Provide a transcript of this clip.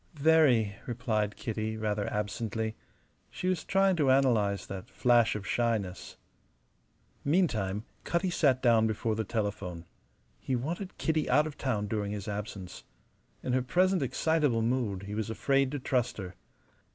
"Very," replied Kitty, rather absently. She was trying to analyze that flash of shyness. Meantime, Cutty sat down before the telephone. He wanted Kitty out of town during his absence. In her present excitable mood he was afraid to trust her.